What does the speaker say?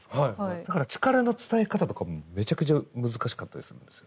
だから力の伝え方とかもめちゃくちゃ難しかったりするんですよ。